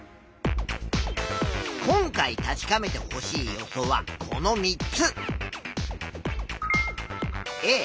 今回確かめてほしい予想はこの３つ。